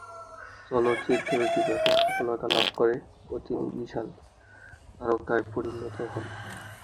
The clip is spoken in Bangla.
চলচ্চিত্রটি ব্যাপক সফলতা লাভ করে ও তিনি বিশাল তারকায় পরিণত হন।